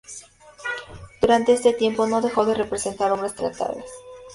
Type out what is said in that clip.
Durante este tiempo no dejó de representar obras teatrales.